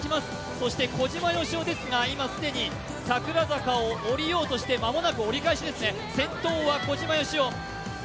そして小島よしおですが今既に桜坂を下りようとして間もなく折り返しですね。